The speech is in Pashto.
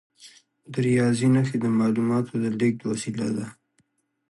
د ریاضي نښې د معلوماتو د لیږد وسیله شوه.